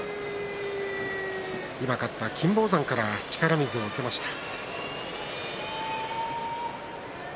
今、勝った金峰山から力水を受けました。